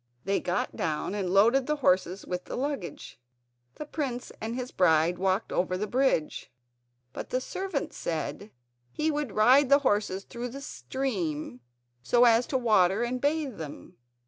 They got down and loaded the horses with the luggage. The prince and his bride walked over the bridge, but the servant said he would ride the horses through the stream so as to water and bathe them.